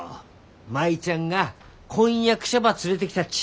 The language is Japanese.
舞ちゃんが婚約者ば連れてきたっち。